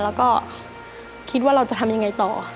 แล้วก็คิดว่าเราจะทำยังไงต่อ